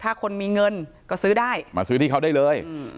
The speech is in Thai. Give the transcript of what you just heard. ถ้าคนมีเงินก็ซื้อได้มาซื้อที่เขาได้เลย